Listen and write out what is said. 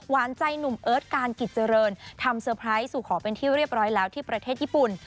หวานใจหนุ่มเอิร์ทการกิจเจริญทำเตอร์ไพรส์สู่ขอเป็นที่เรียบร้อยแล้วที่ประเทศญี่ปุ่น